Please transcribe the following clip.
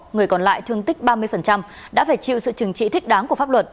người còn lại thương tích ba mươi đã phải chịu sự trừng trị thích đáng của pháp luật